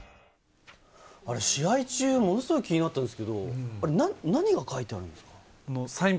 あれ試合中、ものすごい気になったんですけれども、何が書いてあるんですか？